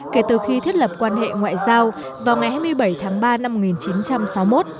kể từ khi thiết lập quan hệ ngoại giao vào ngày hai mươi bảy tháng ba năm một nghìn chín trăm sáu mươi một